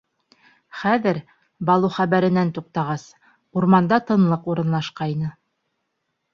Хәҙер, Балу хәбәренән туҡтағас, урманда тынлыҡ урынлашҡайны.